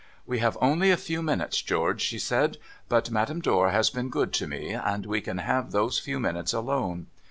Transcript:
' We have only a few minutes, George,' she said. ' But Madame Dor has been good to me — and we can have those few minutes alone.'